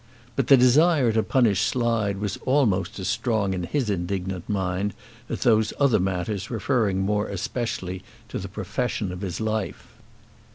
But the desire to punish Slide was almost as strong in his indignant mind as those other matters referring more especially to the profession of his life.